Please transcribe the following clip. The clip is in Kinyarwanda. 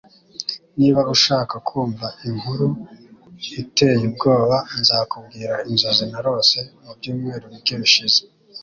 Niba ushaka kumva inkuru iteye ubwoba, nzakubwira inzozi narose mubyumweru bike bishize